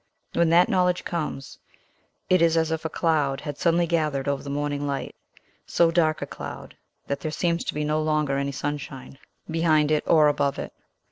When that knowledge comes, it is as if a cloud had suddenly gathered over the morning light; so dark a cloud, that there seems to be no longer any sunshine behind it or above it.